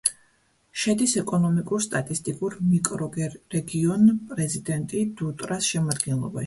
შედის ეკონომიკურ-სტატისტიკურ მიკრორეგიონ პრეზიდენტი-დუტრას შემადგენლობაში.